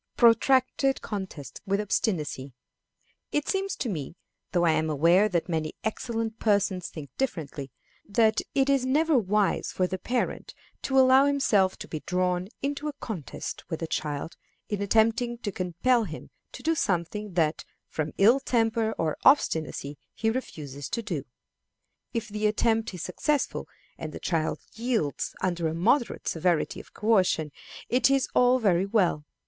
Protracted Contests with Obstinacy. It seems to me, though I am aware that many excellent persons think differently, that it is never wise for the parent to allow himself to be drawn into a contest with a child in attempting to compel him to do something that from ill temper or obstinacy he refuses to do. If the attempt is successful, and the child yields under a moderate severity of coercion, it is all very well.